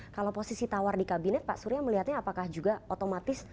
kalau posisi tawar di kabinet pak surya melihatnya apakah juga otomatis